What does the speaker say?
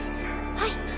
はい。